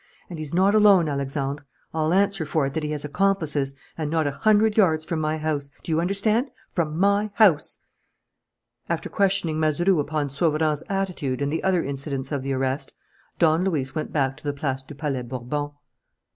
And he's not alone, Alexandre. I'll answer for it that he has accomplices and not a hundred yards from my house do you understand? From my house." After questioning Mazeroux upon Sauverand's attitude and the other incidents of the arrest, Don Luis went back to the Place du Palais Bourbon.